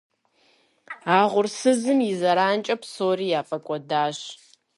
А угъурсызым и зэранкӏэ псори яфӏэкӏуэдащ.